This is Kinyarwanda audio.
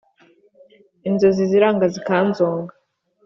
inzozi ziranga zikanzonga